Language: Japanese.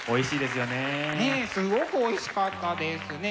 すごくおいしかったですね。